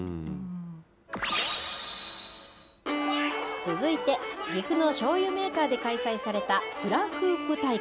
続いて、岐阜のしょうゆメーカーで開催されたフラフープ大会。